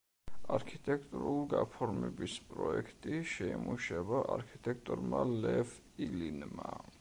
არქიტექტურულ გაფორმების პროექტი შეიმუშავა არქიტექტორმა ლევ ილინმა.